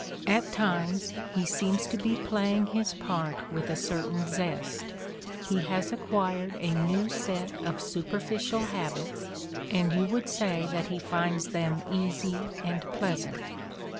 At times he seems to be playing his part with a certain zest; he has acquired a new set of superfici^il habits, and you would say that he finds them easy and pleasant.